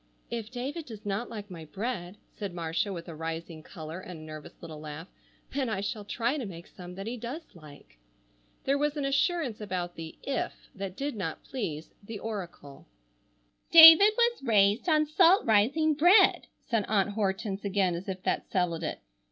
"If David does not like my bread," said Marcia with a rising color and a nervous little laugh, "then I shall try to make some that he does like." There was an assurance about the "if" that did not please the oracle. "David was raised on salt rising bread," said Aunt Hortense again as if that settled it.